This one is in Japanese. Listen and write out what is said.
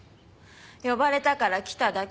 呼ばれたから来ただけよ。